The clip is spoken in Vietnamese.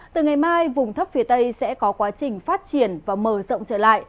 từ ngày mai vùng thấp phía tây sẽ có quá trình phát triển và mở rộng trở lại